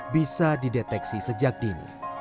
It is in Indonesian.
bisa dideteksi sejak dini